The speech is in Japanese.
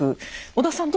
織田さん